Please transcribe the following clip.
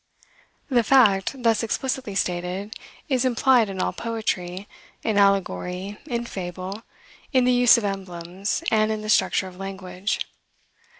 The fact, thus explicitly stated, is implied in all poetry, in allegory, in fable, in the use of emblems, and in the structure of language.